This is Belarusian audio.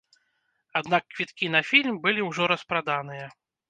Аднак квіткі на фільм былі ўжо распраданыя.